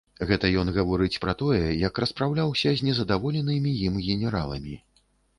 Гэта ён гаворыць пра тое, як распраўляўся з нездаволенымі ім генераламі.